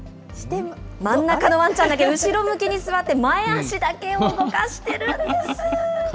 真ん中のワンちゃんだけ、後ろ向きに座って、前足だけを動かしているんです。